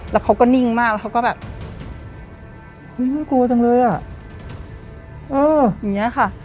แล้วเขาก็นิ่งมากแล้วเขาก็แบบน่ากลัวจังเลยอ่ะเอออย่างเงี้ยค่ะ